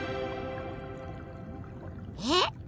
えっ？